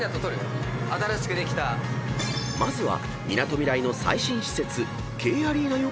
［まずは］